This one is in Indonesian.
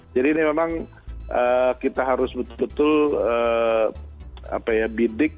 ini memang kita harus betul betul bidik